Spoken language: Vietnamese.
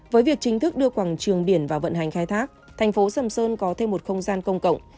với việc chính thức đưa quảng trường biển vào vận hành khai thác thành phố sầm sơn có thêm một không gian công cộng